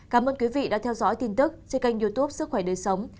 cảm ơn quý vị đã theo dõi tin tức trên kênh youtube sức khỏe đời sống